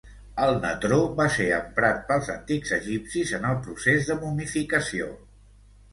El natró va ser emprat pels antics egipcis en el procés de momificació.